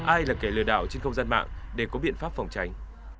ai là kẻ lừa đảo trên không gian mạng để có biện pháp phòng tránh